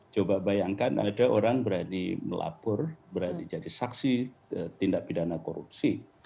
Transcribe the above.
coba bayangkan ada orang berani melapor berani jadi saksi tindak pidana korupsi